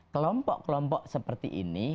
kelompok kelompok seperti ini